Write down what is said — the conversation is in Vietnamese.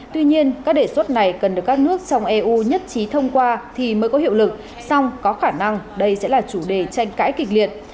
tuy nhiên các đề xuất này cần được các nước trong eu nhất trí thông qua thì mới có hiệu lực song có khả năng đây sẽ là chủ đề tranh cãi kịch liệt